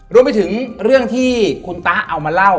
รวมไปถึงเรื่องที่คุณตะเอามาเล่า